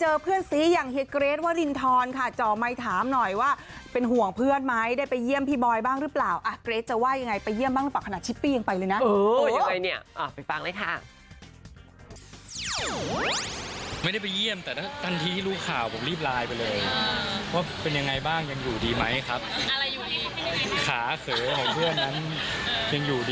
เจอเพื่อนสีอย่างเฮียเกรทว่าลินทรค่ะจ่อไม้ถามหน่อยว่าเป็นห่วงเพื่อนมั้ยได้ไปเยี่ยมพี่บอยบ้างหรือเปล่าอ่ะเกรทจะว่ายังไงไปเยี่ยมบ้างหรือเปล่าขนาดชิปปี้ยังไปเลยน่ะโอ้ยยังไงเนี่ยอ่ะไปฟังเลยค่ะไม่ได้ไปเยี่ยมแต่ตอนที่รู้ข่าวผมรีบไลน์ไปเลยอ่าว่าเป็นยังไงบ้างยังอยู่ดีมั้ยครับอะไรอยู่ดีข